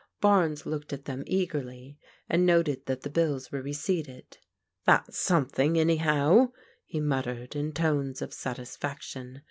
Barnes looked at them eagerly and noted that the bills were receipted. " That's something, anyhow," he muttered in tones of satisfaction.